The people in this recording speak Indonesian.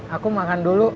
aku makan dulu